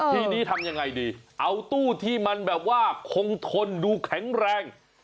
ทีนี้ทำยังไงดีเอาตู้ที่มันแบบว่าคงทนดูแข็งแรง